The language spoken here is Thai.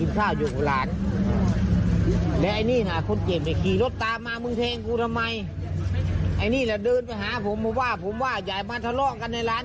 ผมนั่งกินข้าวอยู่ของร้าน